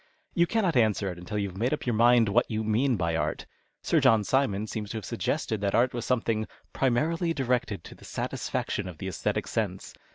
You cannot answer it until you have made up your mind what you mean by art. Sir John Simon seems to have suggested that art was something " primarily directed to the satisfaction of the oesthetic sense."